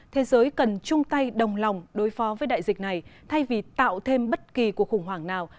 thế giới cần chung tay đồng lòng đối phó với đại dịch này thay vì tạo thêm bất kỳ cuộc khủng hoảng nào